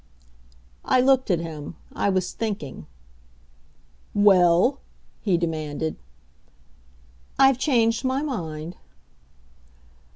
I looked at him. I was thinking. "Well?" he demanded. "I've changed my mind."